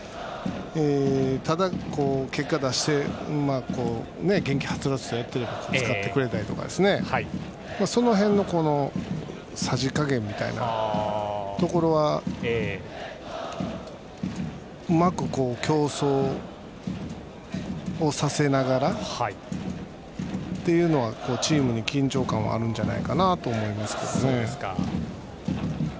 ただ、結果を出して元気はつらつとやっていれば使ってくれたりとかですねその辺のさじ加減みたいなところはうまく競争をさせながらというのでチームに緊張感があるんじゃないかと思いますね。